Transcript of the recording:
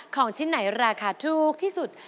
ของชิ้นไหนราคาถูกที่สุด